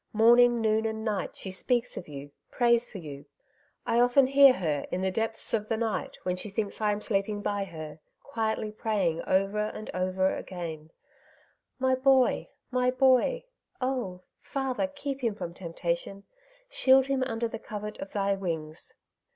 Morning, noon, and night she speaks of you, prays for you. I often hear her in the depths of the night, when she thinks I am sleeping by her, quietly praying over and over again, ' My boy ! my boy ! Oh ! Father, keep him from temptation ; shield him under the covert of thy wings